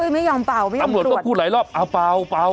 ไม่ยอมเป่าไม่ยอมตรวจตำรวจก็พูดหลายรอบเอ้าเป่า